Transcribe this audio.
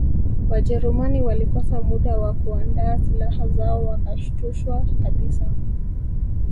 Wajerumani walikosa muda wa kuandaa silaha zao wakashtushwa kabisa